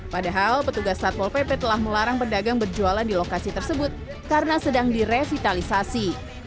padahal petugas satpol pp telah melarang pedagang berjualan di lokasi tersebut karena sedang direvitalisasi